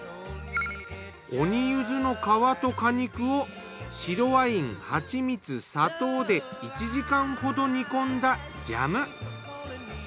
鬼ゆずの皮と果肉を白ワインはちみつ砂糖で１時間ほど煮込んだジャム。